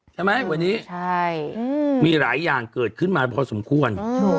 ใช่ไหมวันนี้มีหลายอย่างเกิดขึ้นมาพอสมควร